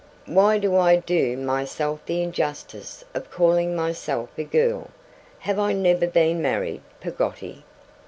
Why do I do myself the injustice of calling myself a girl? Have I never been married, Peggotty?